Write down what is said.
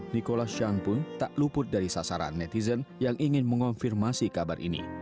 nikola shan pun tak luput dari sasaran netizen yang ingin mengonfirmasi kabar ini